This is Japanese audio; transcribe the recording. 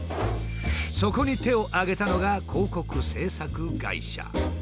そこに手を挙げたのが広告制作会社。